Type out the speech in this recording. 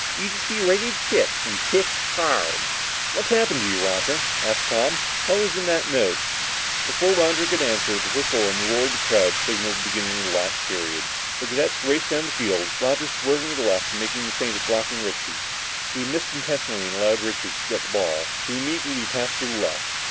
You just be ready to kick and kick hard!" "What's happened to you, Roger?" asked Tom. "What was in that note?" Before Roger could answer, the whistle and the roar from the crowd signaled the beginning of the last period. The cadets raced down the field, Roger swerving to the left and making a feint at blocking Richards. He missed intentionally and allowed Richards to get the ball, who immediately passed to the left.